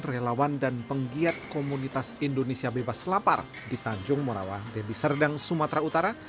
relawan dan penggiat komunitas indonesia bebas lapar di tanjung morawa deli serdang sumatera utara